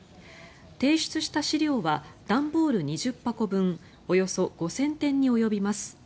提出した資料は段ボール２０箱分およそ５０００点に及びます。